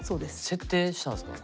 設定したんですか。